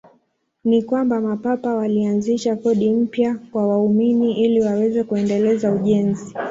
Ni kwamba Mapapa walianzisha kodi mpya kwa waumini ili waweze kuendeleza ujenzi.